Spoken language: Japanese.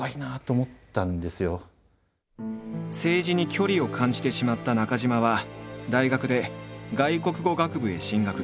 政治に距離を感じてしまった中島は大学で外国語学部へ進学。